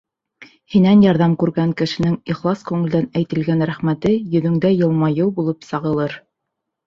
Һинән ярҙам күргән кешенең ихлас күңелдән әйтелгән рәхмәте йөҙөңдә йылмайыу булып сағылыр.